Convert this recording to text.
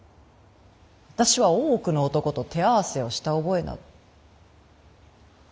私は大奥の男と手合わせをした覚えなど。